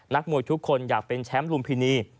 มวยทุกคนอยากเป็นแชมป์ลุมพินี